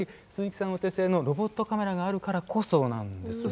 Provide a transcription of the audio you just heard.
お手製のロボットカメラがあるからこそなんですよね。